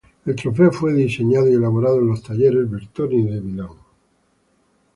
El trofeo fue diseñado y elaborado en los talleres Bertoni de Milán.